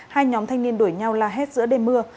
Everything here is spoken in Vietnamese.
hai nhóm thanh niên đuổi nhau la hét giữa đêm mưa